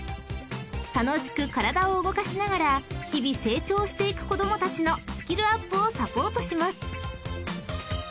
［楽しく体を動かしながら日々成長していく子供たちのスキルアップをサポートします］